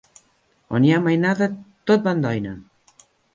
On hi ha mainada tot va en doina!